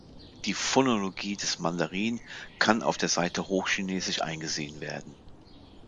Die Phonologie des Mandarin kann auf der Seite Hochchinesisch eingesehen werden.